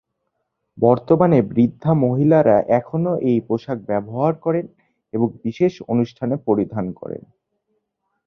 বর্তমানে বৃদ্ধা মহিলারা এখনও এই পোশাক ব্যবহার করেন এবং বিশেষ অনুষ্ঠানে পরিধান করেন।